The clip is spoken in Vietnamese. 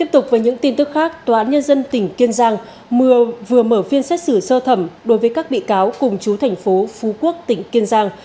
tiếp tục với những tin tức khác tòa án nhân dân tỉnh kiên giang vừa mở phiên xét xử sơ thẩm đối với các bị cáo cùng chú thành phố phú quốc tỉnh kiên giang